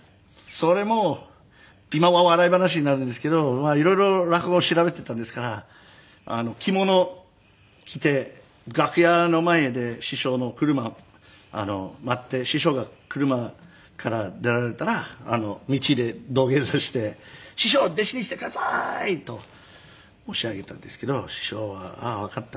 それも今は笑い話になるんですけど色々落語を調べてたですから着物を着て楽屋の前で師匠の車を待って師匠が車から出られたら道で土下座して「師匠弟子にしてください！」と申し上げたんですけど師匠は「ああわかった。